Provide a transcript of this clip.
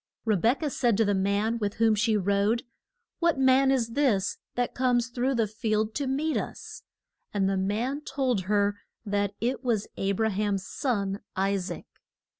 Re bek ah said to the man with whom she rode, What man is this that comes through the field to meet us? And the man told her that it was A bra ham's son, I saac.